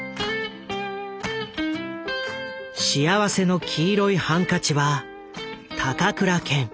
「幸福の黄色いハンカチ」は高倉健